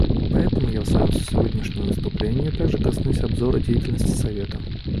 Поэтому я в своем сегодняшнем выступлении также коснусь обзора деятельности Совета.